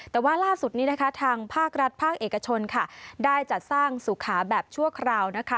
แต่ว่าล่าสุดนี้นะคะทางภาครัฐภาคเอกชนค่ะได้จัดสร้างสุขาแบบชั่วคราวนะคะ